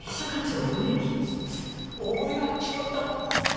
すみません大声が聞こえたものですから。